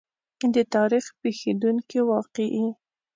د تاریخ پېښېدونکې واقعې.